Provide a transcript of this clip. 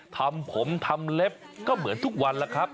ทำผมทำเล็บก็เหมือนทุกวันแล้วครับ